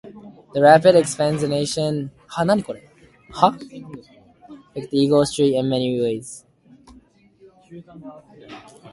The rapid expansion in motor traffic affected Eagle Street in many ways.